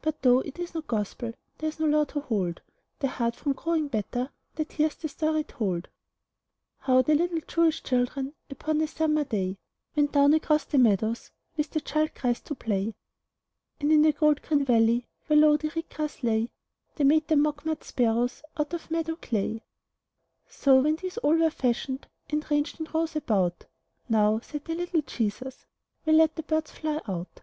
But though it is not Gospel, There is no law to hold The heart from growing better That hears the story told: How the little Jewish children Upon a summer day, Went down across the meadows With the Child Christ to play. And in the gold green valley, Where low the reed grass lay, They made them mock mud sparrows Out of the meadow clay. So, when these all were fashioned, And ranged in rows about, "Now," said the little Jesus, "We'll let the birds fly out."